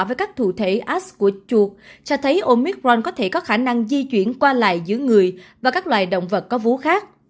với các thủ thể as của chuột cho thấy omicron có thể có khả năng di chuyển qua lại giữa người và các loài động vật có vú khác